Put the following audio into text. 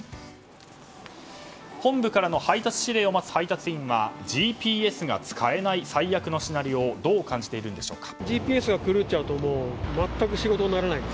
本部からの配達指令を待つ配達員がＧＰＳが使えない最悪のシナリオをどう感じているんでしょうか。